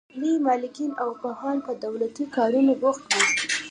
لوی مالکین او پوهان په دولتي کارونو بوخت وو.